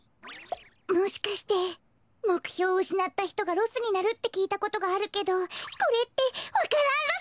もしかしてもくひょううしなったひとがロスになるってきいたことがあるけどこれってわか蘭ロス？